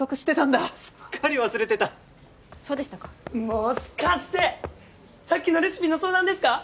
もしかしてさっきのレシピの相談ですか？